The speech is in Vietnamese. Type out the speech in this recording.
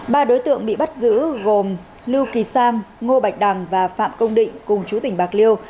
ba đối tượng bị bắt giữ gồm lưu kỳ sang ngô bạch đằng và phạm công định cùng chú tỉnh bạc liêu